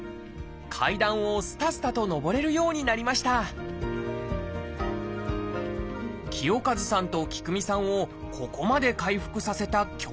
階段をすたすたと上れるようになりました清和さんと喜久美さんをここまで回復させた教室とは？